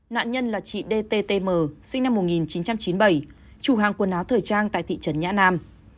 nạn nhân là chị dtm sinh năm một nghìn chín trăm chín mươi bảy chủ hàng quần áo thời trang tại thị trấn nhã nam